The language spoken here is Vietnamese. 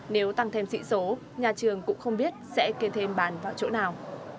nếu tăng thêm sĩ số nhà trường cũng không biết sẽ kê thêm bàn vào chỗ nào